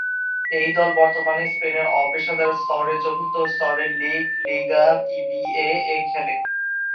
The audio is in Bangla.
এই দল বর্তমানে স্পেনের অপেশাদার স্তরের চতুর্থ স্তরের লীগ লিগা ইবিএ-এ খেলে।